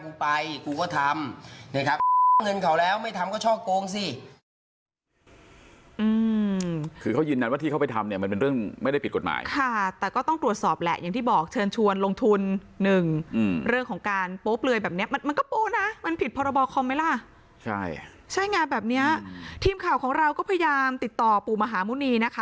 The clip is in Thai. รับรีวิวสินค้าเป็นทีเซ็นเตอร์ในสิ่งที่มันถูก